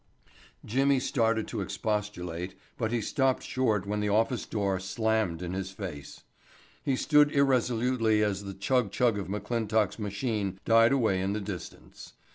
Jimmy started to expostulate, but he stopped short when the office door slammed in his face. He stood irresolutely as the chug chug of McClintock's machine died away in the distance.